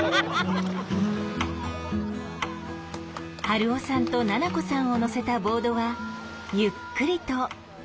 春雄さんと奈々子さんを乗せたボードはゆっくりと前進していきます。